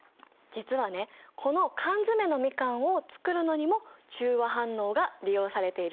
実はねこの缶詰のみかんを作るのにも中和反応が利用されているんだよ。